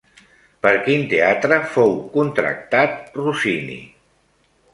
Per quin teatre fou contractat Rossini?